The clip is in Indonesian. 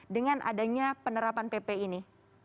dengan adanya penerapan pp ini